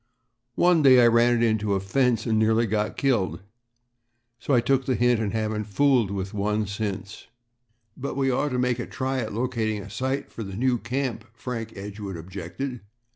One day I ran it into a fence and nearly got killed, so I took the hint and haven't fooled with one since." "But we ought to make a try at locating a site for the new camp," Frank Edgewood objected.